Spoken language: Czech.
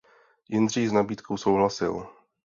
Jindřich s nabídkou souhlasil.